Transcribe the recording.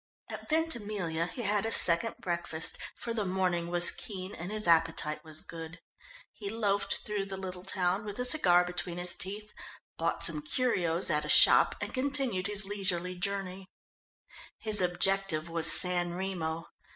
At Ventimille he had a second breakfast, for the morning was keen and his appetite was good. He loafed through the little town, with a cigar between his teeth, bought some curios at a shop and continued his leisurely journey. His objective was San Remo.